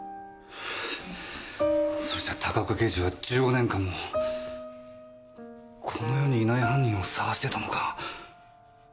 それじゃ高岡刑事は１５年間もこの世にいない犯人を捜してたのか。